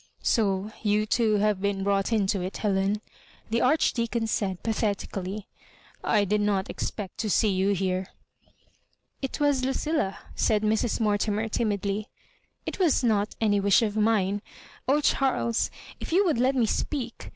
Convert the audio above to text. So you too have been brought into it, Helen/* the Archdeacon said, pathetically ;I did not ex pect to see you here." *' It was Lucilla," said Mrs. Mortimer, timidly; " it was not any wish of mina Oh, Charles! if you would let me speak.